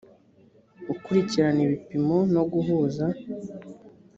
ukurikirana ibipimo no guhuza